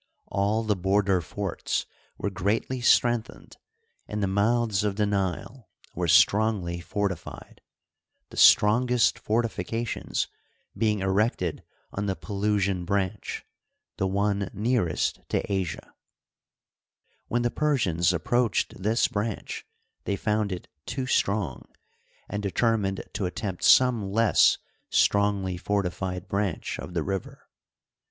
All the border forts were greatly strengthened and the mouths of the Nile were strongly fortified, the strongest fortifications being erected on uie Digitized byCjOOQlC EGYPT AGAIN INDEPENDENT, 149 Pelusian branch, the one nearest to Asia. When the Persians approached this branch thev found it too strong, and determined to attempt some less strongly fortified branch of the river.